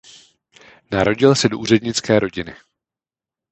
Narodil se do úřednické rodiny.